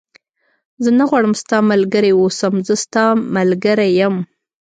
زه نه غواړم ستا ملګری و اوسم، زه ستا ملګری یم.